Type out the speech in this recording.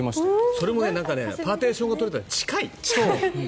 それもパーティションが取れたから近い。